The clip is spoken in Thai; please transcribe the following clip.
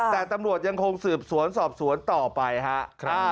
แต่ตำรวจยังคงสืบสวนสอบสวนต่อไปครับ